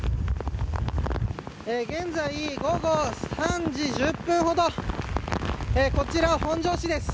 現在、午後３時１０分ほどこちら、本庄市です。